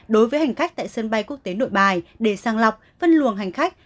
đối với hành khách tại sân bay quốc tế nội bài để sang lọc phân luồng hành khách